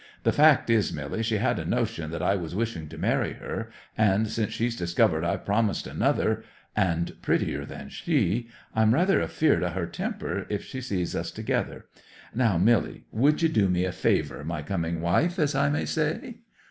The fact is, Milly, she had a notion that I was wishing to marry her, and since she's discovered I've promised another, and a prettier than she, I'm rather afeard of her temper if she sees us together. Now, Milly, would you do me a favour—my coming wife, as I may say?"